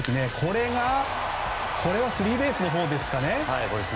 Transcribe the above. これはスリーベースのほうですかね。